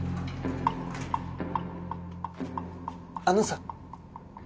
あのさ。